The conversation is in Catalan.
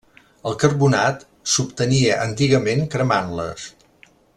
El carbonat s'obtenia antigament cremant-les.